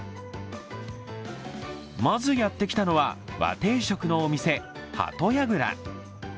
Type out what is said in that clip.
まずやってきたのは、和定食のお店、鳩やぐら。